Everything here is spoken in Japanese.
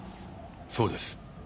そうです。